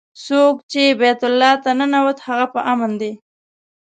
څوک چې بیت الله ته ننوت هغه په امن دی.